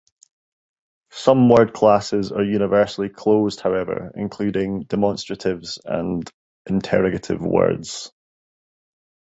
Some word classes are universally closed, however, including demonstratives and interrogative words.